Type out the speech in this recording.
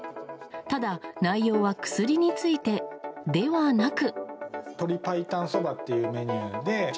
ただ、内容は薬についてではなく。